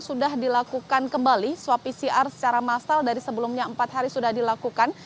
sudah dilakukan kembali swab pcr secara massal dari sebelumnya empat hari sudah dilakukan